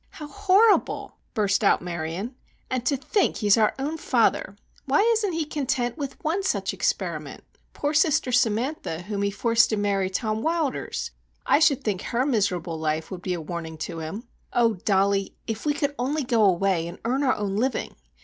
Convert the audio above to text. "How horrible!" burst out Marion. "And to think he is our own father! Why isn't he content with one such experiment? Poor sister Samantha, whom he forced to marry Tom Wilders! I should think her miserable life would be a warning to him! Oh, Dollie, if we could only go away and earn our own living.